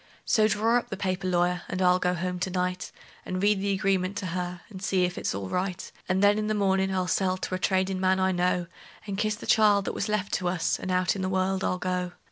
So draw up the paper, lawyer, and I'll go home to night, And read the agreement to her, and see if it's all right; And then, in the mornin', I'll sell to a tradin' man I know, And kiss the child that was left to us, and out in the world I'll go.